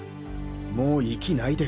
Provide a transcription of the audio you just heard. もう息ないで。